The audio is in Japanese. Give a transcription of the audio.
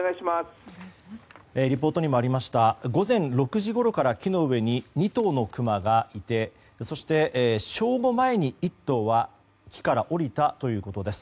リポートにありました午前６時ごろから、木の上に２頭のクマがいてそして、正午前に１頭は木から下りたということです。